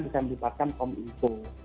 bisa melipatkan pom info